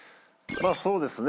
まぁそうですね